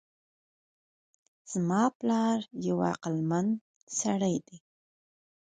زما پلار یو عقلمند سړی ده